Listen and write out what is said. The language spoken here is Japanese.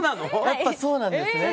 やっぱそうなんですね。